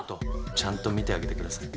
ちゃんと見てあげてください。